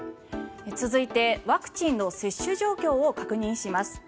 続いてワクチンの接種状況を確認します。